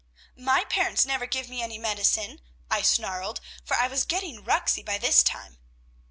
"'My parents never give me any medicine,' I snarled, for I was getting ruxy by this time.